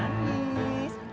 aduh adek manis